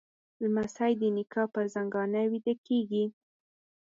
لمسی د نیکه پر زنګانه ویده کېږي.